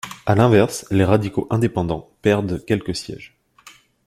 À l'inverse, les radicaux indépendants perdent quelques sièges.